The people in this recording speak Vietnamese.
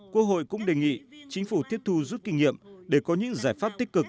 quốc hội cũng đề nghị chính phủ tiếp thu rút kinh nghiệm để có những giải pháp tích cực